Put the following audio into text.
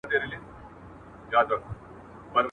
• خواري کې هغه مينځي، چي دمينځي کالي مينځي.